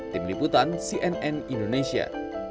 tim liputan cnn indonesia